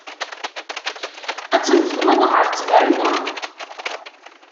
Ad tnefleḍ ɣer ttberna.